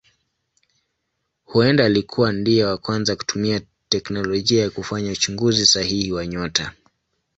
Huenda alikuwa ndiye wa kwanza kutumia teknolojia ili kufanya uchunguzi sahihi wa nyota.